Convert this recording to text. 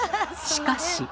しかし。